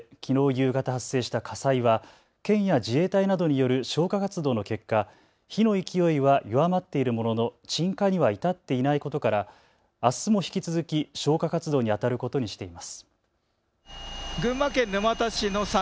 夕方発生した火災は県や自衛隊などによる消火活動の結果、火の勢いは弱まっているものの鎮火には至っていないことから、あすも引き続き消火活動にあたることにしています。